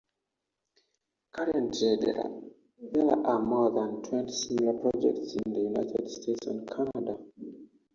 Currently there are more than twenty similar projects in the United States and Canada.